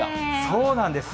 そうなんです。